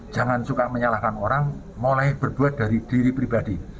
jangan suka menyalahkan orang mulai berbuat dari diri pribadi